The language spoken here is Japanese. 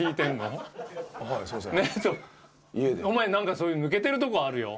お前何かそういう抜けてるとこあるよ。